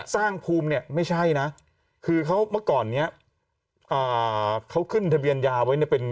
สร้างภูมินี่ไม่ใช่นะคือเขามาก่อนนี้เขาขึ้นทะเบียนยาไว้เป็น